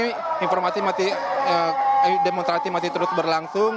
dan informasi masih demonstrasi masih terus berlangsung